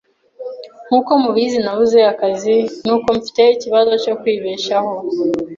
Nkuko mubizi, nabuze akazi, nuko mfite ikibazo cyo kwibeshaho.